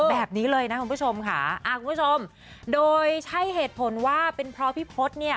แบบนี้เลยนะคุณผู้ชมค่ะอ่าคุณผู้ชมโดยใช่เหตุผลว่าเป็นเพราะพี่พศเนี่ย